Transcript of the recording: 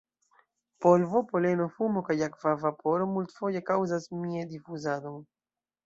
Polvo, poleno, fumo kaj akva vaporo multfoje kaŭzas Mie-difuzadon.